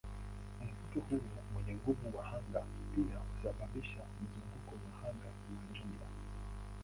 Mvuto huu wenye nguvu wa anga pia husababisha mzunguko wa anga wa jumla.